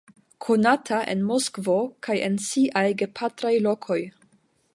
Konata en Moskvo kaj en siaj gepatraj lokoj.